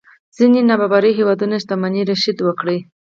ځينې نابرابرۍ هېوادونو شتمنۍ رشد وکړي.